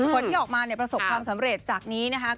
คนที่ออกมาประสบความสำเร็จจากนี้นะครับ